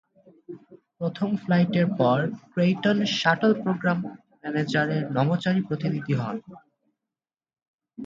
প্রথম ফ্লাইটের পর, ক্রেইটন শাটল প্রোগ্রাম ম্যানেজারের নভোচারী প্রতিনিধি হন।